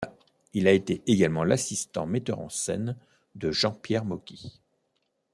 Il a été également l'assistant metteur en scène de Jean-Pierre Mocky.